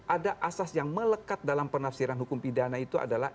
ada asas yang melekat dalam penafsiran hukum pidana itu adalah